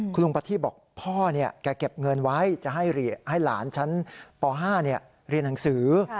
คุณลุงประทีบบอกพ่อแกเก็บเงินไว้จะให้หลานชั้นป๕เรียนหนังสือ